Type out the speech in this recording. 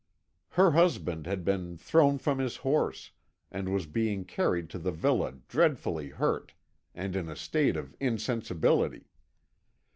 Her husband had been thrown from his horse, and was being carried to the villa dreadfully hurt and in a state of insensibility.